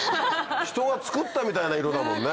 人が作ったみたいな色だもんね。